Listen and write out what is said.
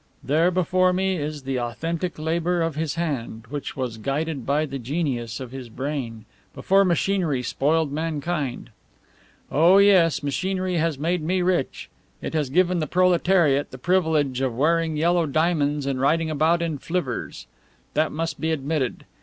There before me is the authentic labour of his hand, which was guided by the genius of his brain before machinery spoiled mankind. Oh, yes, machinery has made me rich! It has given the proletariat the privilege of wearing yellow diamonds and riding about in flivvers. That must be admitted.